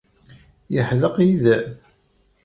Yeḥdeq yid-m?